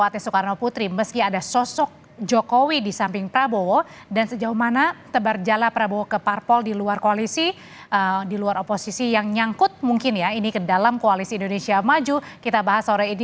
tim liputan kompas tv